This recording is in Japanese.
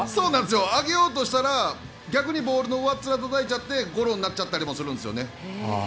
上げようとしたら逆にボールの上っ面たたいちゃったりしてゴロになっちゃったりもするんですね。